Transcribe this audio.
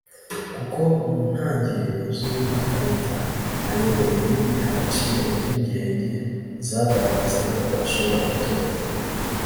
kuko mu ntangiriro z’uyu mwaka leta ayoboye yimye agaciro impungenge zagaragazaga ko ashobora gutoroka